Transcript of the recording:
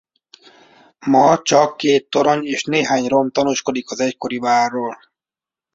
Ma csak két torony és néhány rom tanúskodik az egykori várról.